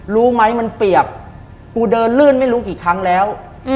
รู้ไหมมันเปียกกูเดินลื่นไม่รู้กี่ครั้งแล้ว